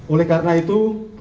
oleh karena itu